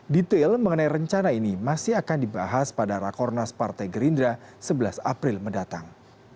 detail mengenai rencana ini masih akan dibahas pada rakornas partai gerindra sebelas april mendatang